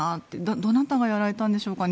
どなたがやられたんでしょうかね